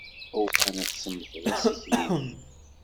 Awufan ad tsemmteḍ assikel-ik.